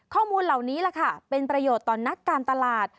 ข้อมูลเหล่านี้ล่ะค่ะเป็นประโยชน์ต่อนักการตลาด